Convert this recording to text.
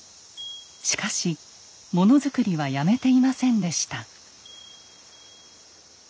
しかしもの作りはやめていませんでした。